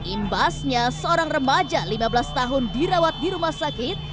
imbasnya seorang remaja lima belas tahun dirawat di rumah sakit